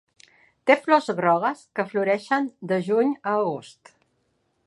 Té flors grogues que floreixen de Juny a Agost.